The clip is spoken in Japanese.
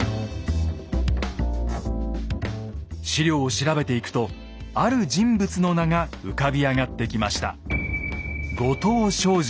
史料を調べていくとある人物の名が浮かび上がってきました。